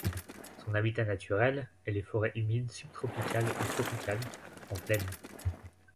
Son habitat naturel est les forêts humides subtropicales ou tropicales, en plaine.